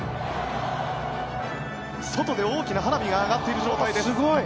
外で大きな花火が上がっている状態です。